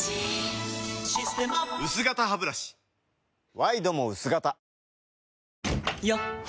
ワイドも薄型よっ！